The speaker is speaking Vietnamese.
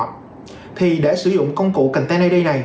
thì để sử dụng công cụ content id này